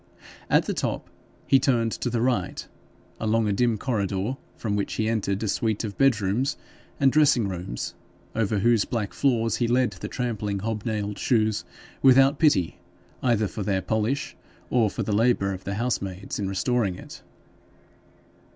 At the top he turned to the right, along a dim corridor, from which he entered a suite of bedrooms and dressing rooms, over whose black floors he led the trampling hob nailed shoes without pity either for their polish or the labour of the housemaids in restoring it.